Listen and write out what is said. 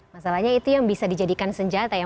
masalahnya itu yang bisa dijadikan senjata ya